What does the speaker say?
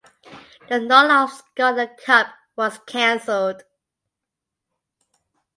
The North of Scotland Cup was cancelled.